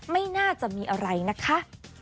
ไม่น่าจะมีอะไรนะคะ